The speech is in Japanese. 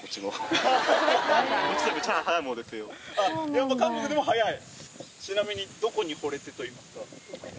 やっぱ韓国でも早い。